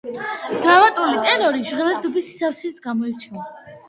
დრამატული ტენორი ჟღერადობის სისავსით გამოირჩევა.